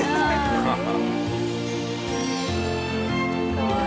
かわいい。